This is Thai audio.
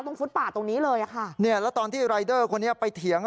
ฟุตป่าตรงนี้เลยอ่ะค่ะเนี่ยแล้วตอนที่รายเดอร์คนนี้ไปเถียง